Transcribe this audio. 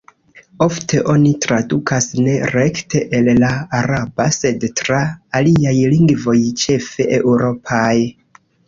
Ofte oni tradukas ne rekte el la araba, sed tra aliaj lingvoj, ĉefe eŭropaj.